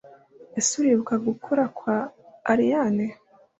ese uribuka gukura kwa allayne?